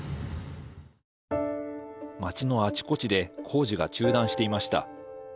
街のあちこちで工事が中断していました。